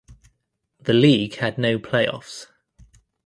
The league had no playoffs.